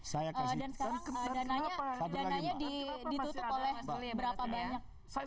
dan sekarang dananya ditutup oleh berapa banyak